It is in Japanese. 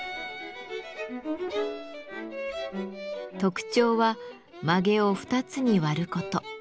特徴は髷を２つに割ること。